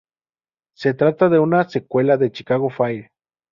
Se trata de una secuela de "Chicago Fire".